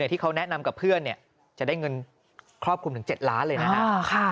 ที่เขาแนะนำกับเพื่อนจะได้เงินครอบคลุมถึง๗ล้านเลยนะครับ